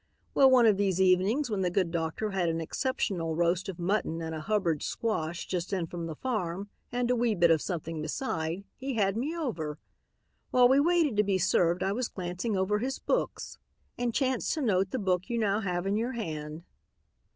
"Well, one of these evenings when the good doctor had an exceptional roast of mutton and a hubbard squash just in from the farm and a wee bit of something beside, he had me over. While we waited to be served I was glancing over his books and chanced to note the book you now have in your hand.